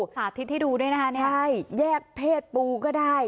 สาธิตที่ดูด้วยนะคะใช่แยกเพศปูก็ได้